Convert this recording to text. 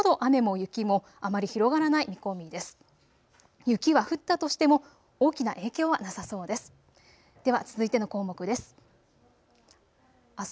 雪は降ったとしても大きな影響はなさそうです。